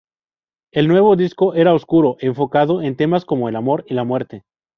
El nuevo disco era oscuro, enfocado en temas como el amor y la muerte.